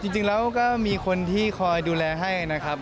จริงแล้วก็มีคนที่คอยดูแลให้นะครับ